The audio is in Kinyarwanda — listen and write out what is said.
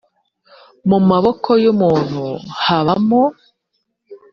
mu maboko y umuntu habamo